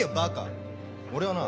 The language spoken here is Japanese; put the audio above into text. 俺はな